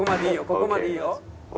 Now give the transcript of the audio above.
ここまでいいよ。